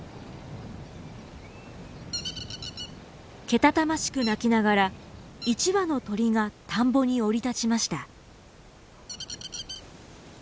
けたたましく鳴きながら１羽の鳥が田んぼに降り立ちました。